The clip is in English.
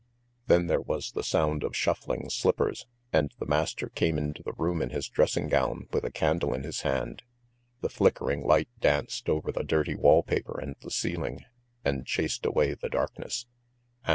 Then there was the sound of shuffling slippers, and the master came into the room in his dressing gown with a candle in his hand. The flickering light danced over the dirty wall paper and the ceiling, and chased away the darkness.